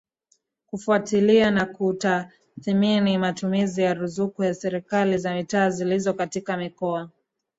kufuatilia na kutathimini matumizi ya ruzuku ya Serikali za Mitaa zilizo katika Mikoa